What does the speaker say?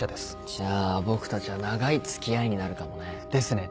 じゃあ僕たちは長い付き合いになるかもね。ですね。